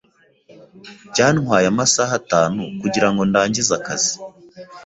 Byantwaye amasaha atanu kugirango ndangize akazi.